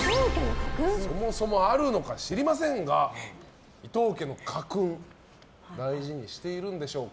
そもそもあるのか知りませんが伊藤家の家訓を大事にしてるんでしょうか。